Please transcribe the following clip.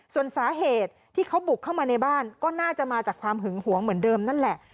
ส่วนสาเหตุที่เขาบุกเข้ามาในบ้านก็น่าจะมาจากความหึงหวงเหมือนเดิมนั่นแหละ